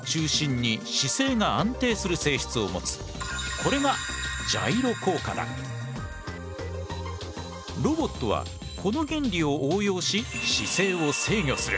これがロボットはこの原理を応用し姿勢を制御する。